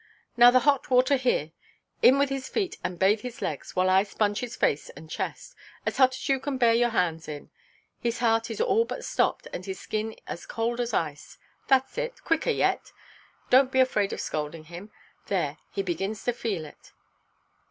Now the hot water here! In with his feet, and bathe his legs, while I sponge his face and chest—as hot as you can bear your hands in it. His heart is all but stopped, and his skin as cold as ice. Thatʼs it; quicker yet! Donʼt be afraid of scalding him. There, he begins to feel it."